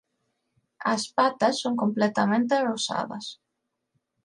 As patas son completamente rosadas.